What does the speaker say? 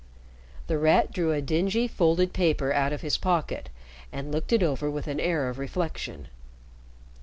The Rat drew a dingy, folded paper out of his pocket and looked it over with an air of reflection.